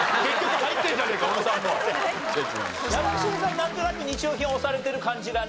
なんとなく日用品推されてる感じがね。